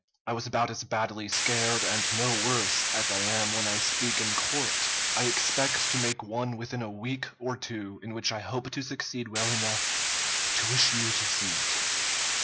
I was about as badly scared, and no worse, as I am when I speak in court. I expect to make one within a week or two in which I hope to succeed well enough to wish you to see it."